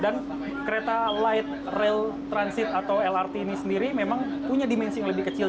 dan kereta light rail transit atau lrt ini sendiri memang punya dimensi yang lebih kecil